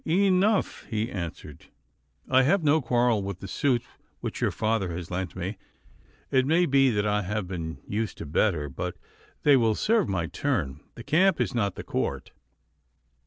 enough!' he answered. 'I have no quarrel with the suit which your father has lent me. It may be that I have been used to better, but they will serve my turn. The camp is not the court.